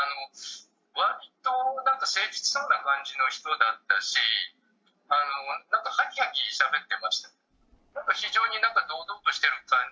割と誠実そうな感じの人だったし、なんかはきはきしゃべってました。